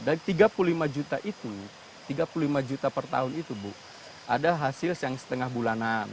dan tiga puluh lima juta itu tiga puluh lima juta per tahun itu bu ada hasil yang setengah bulanan